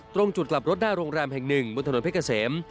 ตรงจุดกลับรถหน้าโรงแรมแห่งหนึ่งบนถนนเพชรเกษม